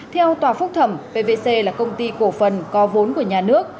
theo tòa phúc thẩm pvc là công ty cổ phần có vốn của nhà nước